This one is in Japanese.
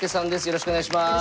よろしくお願いします。